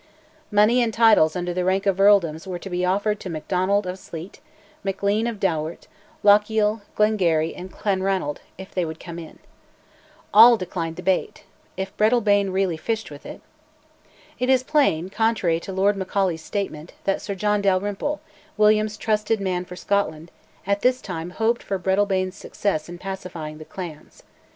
Money and titles under the rank of earldoms were to be offered to Macdonald of Sleat, Maclean of Dowart, Lochiel, Glengarry, and Clanranald, if they would come in. All declined the bait if Breadalbane really fished with it. It is plain, contrary to Lord Macaulay's statement, that Sir John Dalrymple, William's trusted man for Scotland, at this time hoped for Breadalbane's success in pacifying the clans.